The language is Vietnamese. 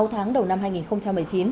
sáu tháng đầu năm hai nghìn một mươi chín